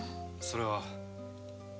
それは。